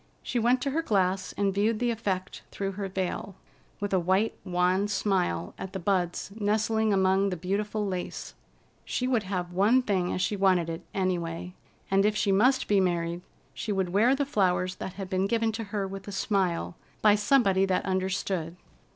She went to her glass and viewed the effect through her veil, with a white, wan smile at the buds nestling among the beautiful lace. She would have one thing as she wanted it, any way: if she must be married, she would wear the flowers that had been given to her with a smile by somebody that understood.